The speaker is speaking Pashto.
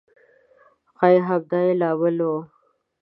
ښایي همدا به یې لامل و.